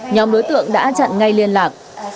nhóm đối tượng đã chặn ngay liên lạc